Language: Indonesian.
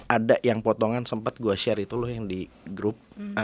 ada yang potongan sempat gue share itu loh yang di grup